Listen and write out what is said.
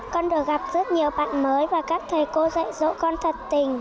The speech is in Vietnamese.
con được gặp rất nhiều bạn mới và các thầy cô dạy dỗ con thật tình